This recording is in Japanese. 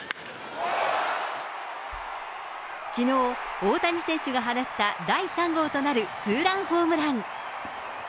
きのう、大谷選手が放った第３号となるツーランホームラン。